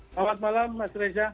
selamat malam mas reza